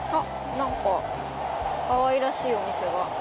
何かかわいらしいお店が。